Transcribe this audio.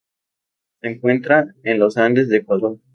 Se encuentra en los Andes de Ecuador.